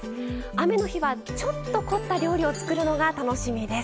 雨の日はちょっと凝った料理を作るのが楽しみです。